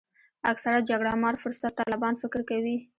اکثره جګړه مار فرصت طلبان فکر کوي.